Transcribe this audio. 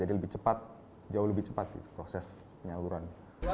jadi lebih cepat jauh lebih cepat proses penyaluran